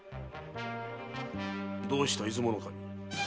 どうした出雲守。